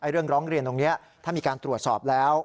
เรื่องร้องเรียนตรงนี้ถ้ามีการตรวจสอบแล้ว